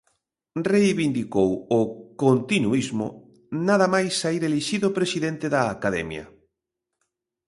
Reivindicou o "continuísmo" nada máis saír elixido presidente da Academia.